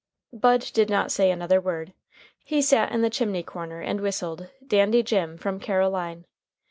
Bud did not say another word. He sat in the chimney corner and whistled "Dandy Jim from Caroline."